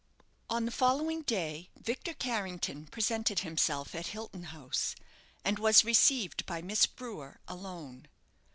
On the following day Victor Carrington presented himself at Hilton House, and was received by Miss Brewer alone.